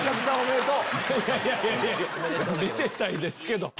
めでたいですけど！